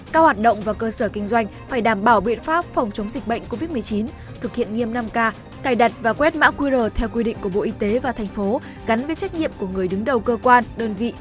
các hoạt động và cơ sở kinh doanh phải đảm bảo biện pháp phòng chống dịch bệnh covid một mươi chín thực hiện nghiêm năm k cài đặt và quét mã qr theo quy định của bộ y tế và thành phố gắn với trách nhiệm của người đứng đầu cơ quan đơn vị